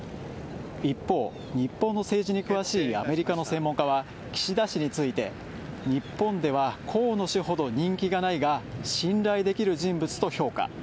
一方、日本の政治に詳しいアメリカの専門家は、岸田氏について、日本では河野氏ほど人気がないが信頼できる人物と評価。